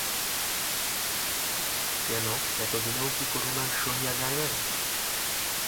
কেন, এত দিনেও কি করুণার সহিয়া যায় নাই।